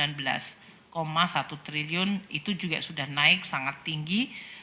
rp sembilan belas satu triliun itu juga sudah naik sangat tinggi